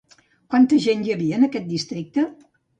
Quanta gent hi havia en aquest districte?